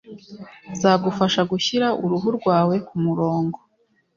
zagufasha gushyira uruhu rwawe ku murongo